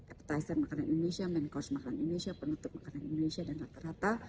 appetizer makanan indonesia main course makanan indonesia penutup makanan indonesia dan rata rata